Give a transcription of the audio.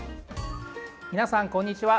皆さん、こんにちは。